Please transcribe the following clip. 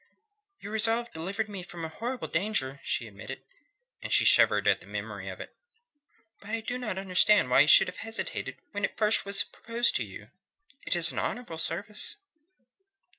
"Your resolve delivered me from a horrible danger," she admitted. And she shivered at the memory of it. "But I do not understand why you should have hesitated when first it was proposed to you. It is an honourable service."